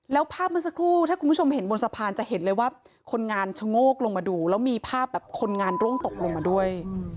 แล้วภาพเมื่อสักครู่ถ้าคุณผู้ชมเห็นบนสะพานจะเห็นเลยว่าคนงานชะโงกลงมาดูแล้วมีภาพแบบคนงานร่วงตกลงมาด้วย